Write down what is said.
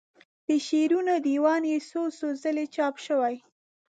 د شعرونو دیوان یې څو څو ځله چاپ شوی.